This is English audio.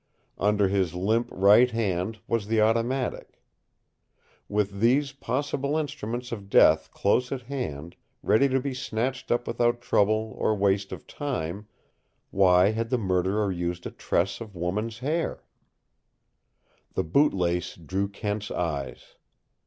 Under his limp right hand was the automatic. With these possible instruments of death close at hand, ready to be snatched up without trouble or waste of time, why had the murderer used a tress of woman's hair? The boot lace drew Kent's eyes.